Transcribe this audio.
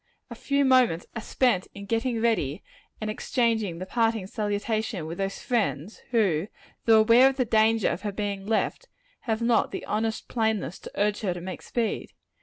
A few moments are spent in getting ready and in exchanging the parting salutation with those friends who, though aware of the danger of her being left, have not the honest plainness to urge her to make speed.